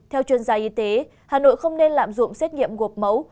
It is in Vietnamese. theo chuyên gia y tế hà nội không nên lạm dụng xét nghiệm gộp mẫu